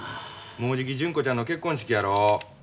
もうじき純子ちゃんの結婚式やろ。